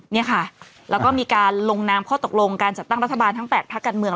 นี่ค่ะแล้วก็มีการลงนามข้อตกลงการจัดตั้งรัฐบาลทั้ง๘พักการเมือง